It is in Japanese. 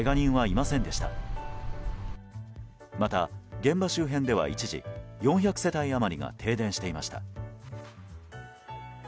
また、現場周辺では一時４００世帯余りが停電していました。